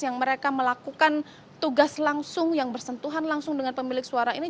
yang mereka melakukan tugas langsung yang bersentuhan langsung dengan pemilik suara ini